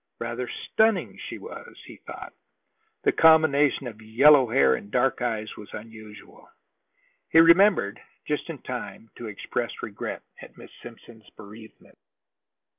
Rather stunning she was, he thought. The combination of yellow hair and dark eyes was unusual. He remembered, just in time, to express regret at Miss Simpson's bereavement.